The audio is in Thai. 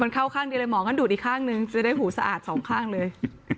มันเข้าข้างดีเลยหมองั้นดูดอีกข้างนึงจะได้หูสะอาดสองข้างเลย